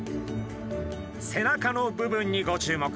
背中の部分にご注目。